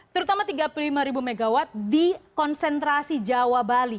terutama tiga puluh lima ribu megawatt di konsentrasi jawa bali